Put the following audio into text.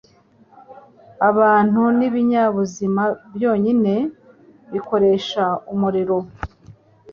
Abantu nibinyabuzima byonyine bikoresha umuriro